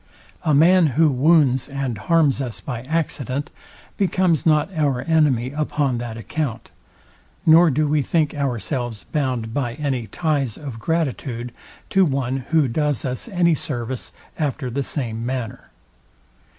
A man, who wounds and harms us by accident, becomes not our enemy upon that account, nor do we think ourselves bound by any ties of gratitude to one, who does us any service after the same manner.